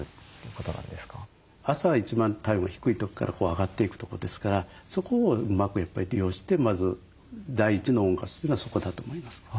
朝が一番体温が低い時から上がっていくとこですからそこをうまくやっぱり利用してまず第一の温活というのはそこだと思いますよね。